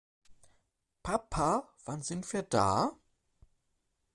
Papa, wann sind wir da?